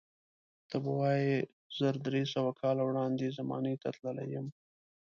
ته به وایې زر درې سوه کاله وړاندې زمانې ته تللی یم.